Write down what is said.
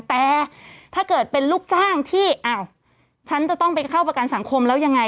แต่ถ้าเกิดเป็นลูกจ้างที่อ้าวฉันจะต้องไปเข้าประกันสังคมแล้วยังไง